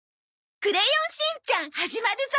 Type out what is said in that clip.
『クレヨンしんちゃん』始まるぞ。